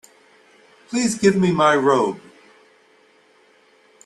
Please give me my robe.